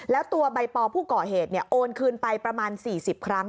แล้วตัวใบปอผู้ก่อเหตุโอนคืนไปประมาณ๔๐ครั้ง